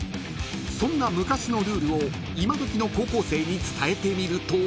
［そんな昔のルールを今どきの高校生に伝えてみると］